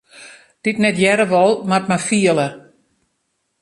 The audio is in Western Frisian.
Dy't net hearre wol, moat mar fiele.